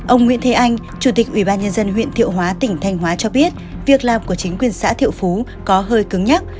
ông nguyễn thế anh chủ tịch ủy ban nhân dân huyện thiệu hóa tỉnh thanh hóa cho biết việc làm của chính quyền xã thiệu phú có hơi cứng nhắc